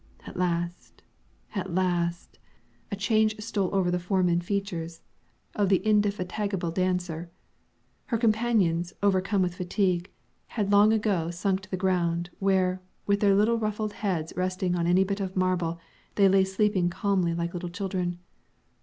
At last, at last, a change stole over the form and features of the indefatigable dancer. Her companions, overcome with fatigue, had long ago sunk to the ground, where, with their little ruffled heads resting on any bit of marble, they lay sleeping calmly like little children.